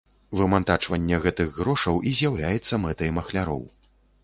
Вымантачванне гэтых грошаў і з'яўляецца мэтай махляроў.